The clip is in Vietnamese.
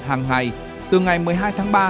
hàng ngày từ ngày một mươi hai tháng ba